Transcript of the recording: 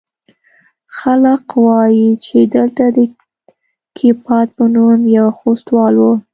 خلق وايي چې دلته د کيپات په نوم يو خوستوال و.